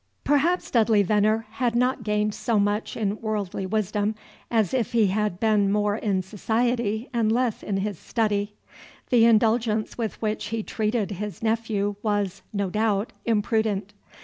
Perhaps Dudley Veneer had not gained so much in worldly wisdom as if he had been more in society and less in his study. The indulgence with which he treated his nephew was, no doubt, imprudent.